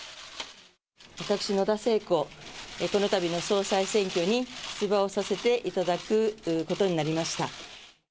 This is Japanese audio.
私、野田聖子、このたびの総裁選挙に出馬をさせていただくことになりました。